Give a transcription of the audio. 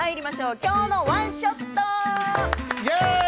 「きょうのワンショット」。